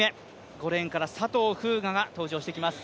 ５レーンから佐藤風雅が登場していきます。